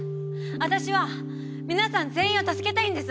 わたしは皆さん全員を助けたいんです。